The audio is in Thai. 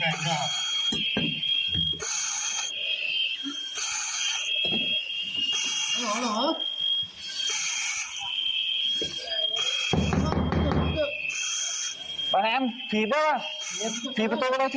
ปะแฮนถีบแล้วถีบประตูแล้วถีบ